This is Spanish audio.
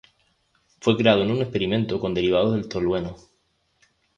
Fue creado en un experimento con derivados del tolueno.